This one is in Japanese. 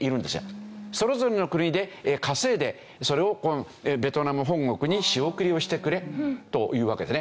それぞれの国で稼いでそれをベトナム本国に仕送りをしてくれというわけですね。